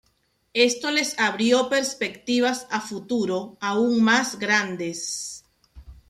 Esto les abrió perspectivas a futuro aun más grandes.